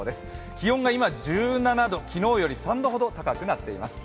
気温が現在１７度、昨日より３度ほど高くなっています。